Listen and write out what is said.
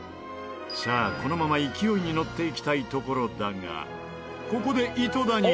さあこのまま勢いにのっていきたいところだがここで井戸田に。